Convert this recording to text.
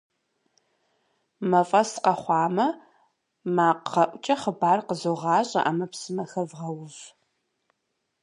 Мафӏэс къэхъуамэ, макъгъэӏукӏэ хъыбар къозыгъащӏэ ӏэмэпсымэхэр вгъэув! .